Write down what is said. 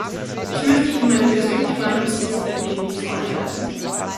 Ich möchte Ihnen meine persönliche Meinung zu diesem Problem nicht vorenthalten.